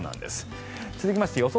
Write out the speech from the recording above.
続きまして予想